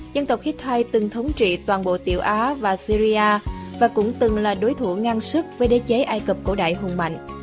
dân tộc hittite từng thống trị toàn bộ tiểu á và syria và cũng từng là đối thủ ngang sức với đế chế ai cập cổ đại hùng mạnh